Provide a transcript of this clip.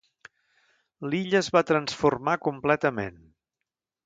L'illa es va transformar completament.